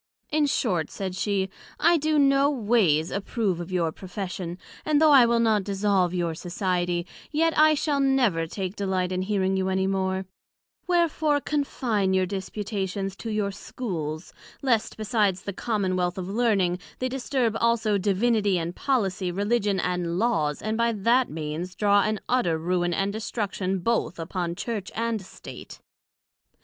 In short, said she, I do no ways approve of your Profession; and though I will not dissolve your society, yet I shall never take delight in hearing you any more; wherefore confine your disputations to your Schools, lest besides the Commonwealth of Learning, they disturb also Divinity and Policy, Religion and Laws, and by that means draw an utter ruine and destruction both upon Church and State.